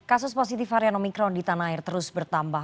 kasus positif varian omikron di tanah air terus bertambah